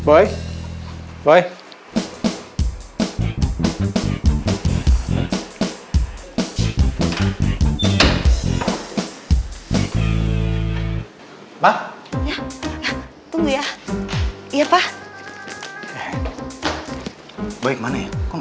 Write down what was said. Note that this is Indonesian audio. ah gitu aja lupa tau